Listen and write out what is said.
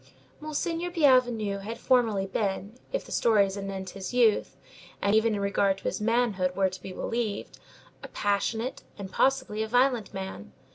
Monseigneur Bienvenu had formerly been, if the stories anent his youth, and even in regard to his manhood, were to be believed, a passionate, and, possibly, a violent man.